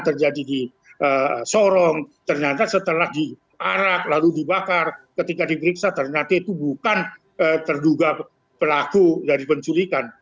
terjadi di sorong ternyata setelah diarak lalu dibakar ketika diperiksa ternyata itu bukan terduga pelaku dari penculikan